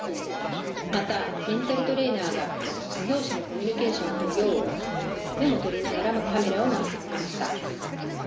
またメンタルトレーナーが指導者のコミュニケーションのありようをメモとりながらもカメラを回してくれました。